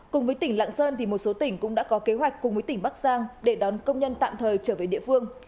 cùng với tỉnh lạng sơn một số tỉnh cũng đã có kế hoạch cùng với tỉnh bắc giang để đón công nhân tạm thời trở về địa phương